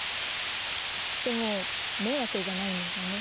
でも迷惑じゃないんですよね。